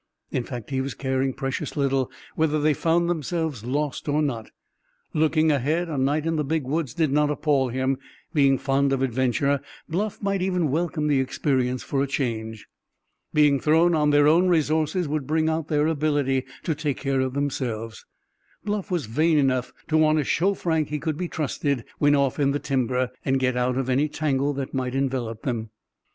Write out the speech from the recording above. In fact, he was caring precious little whether they found themselves lost or not. Looking ahead, a night in the Big Woods did not appall him; being fond of adventure, Bluff might even welcome the experience for a change. Being thrown on their own resources would bring out their ability to take care of themselves. Bluff was vain enough to want to show Frank he could be trusted when off in the timber, and get out of any tangle that might envelop them.